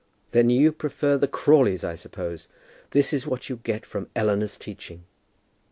"Then you prefer the Crawleys, I suppose. This is what you get from Eleanor's teaching."